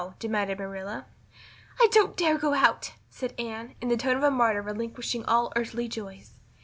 demanded Marilla. "I don't dare go out," said Anne, in the tone of a martyr relinquishing all earthly joys.